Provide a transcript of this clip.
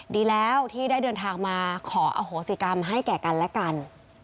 ดีแล้วที่ได้เดินทางมาขออโหสิกรรมให้แก่กันและกัน